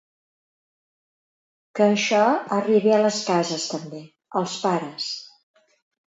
Que això arribe a les cases també, als pares.